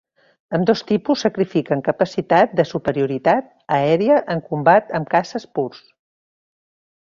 Ambdós tipus sacrifiquen capacitat de superioritat aèria en combat amb caces purs.